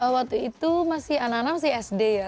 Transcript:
waktu itu masih anak anak masih sd ya